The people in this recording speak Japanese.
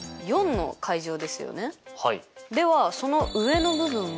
ではその上の部分も。